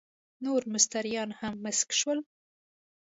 نور مستریان هم مسک شول.